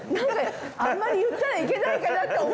あんまり言ったらいけないかなって。